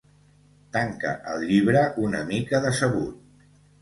Tanca el llibre una mica decebut.